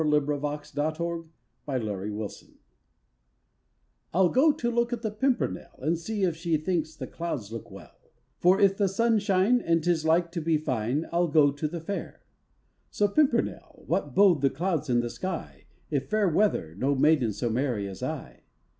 PIMPERNEL, THE SHEPHERD'S CLOCK I'll go and look at the Pimpernel And see if she thinks the clouds look well. For if the sun shine And 'tis like to be fine, I'll go to the fair. So Pimpernel, what bode the clouds in the sky; If fair weather, no maiden so merry as I.